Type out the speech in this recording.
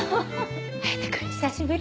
隼君久しぶり！